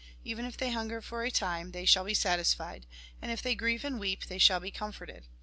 Even if they hunger for a time, they shall be satisfied ; and if they grieve and weep, they shall be comforted.